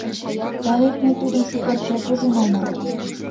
Да вет мый тудым шукертсек ужын омыл...